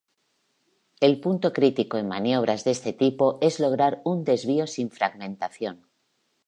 El punto crítico en maniobras de este tipo es lograr un desvío sin fragmentación.